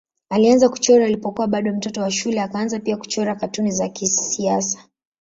Alianza kuchora alipokuwa bado mtoto wa shule akaanza pia kuchora katuni za kisiasa.